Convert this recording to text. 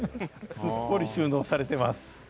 すっぽり収納されています。